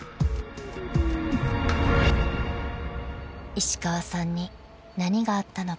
［石川さんに何があったのか］